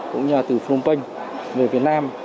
cũng như là từ phnom penh về việt nam